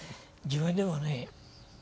自分でもね